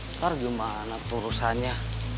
ntar gimana terusannya